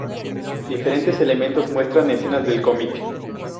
Diferentes elementos muestran escenas del cómic.